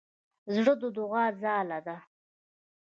زړه د دوعا ځاله ده.